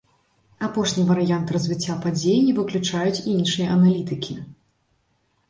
Апошні варыянт развіцця падзей не выключаюць і іншыя аналітыкі.